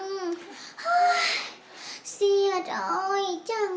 เฮ้ยเสียดอยจัง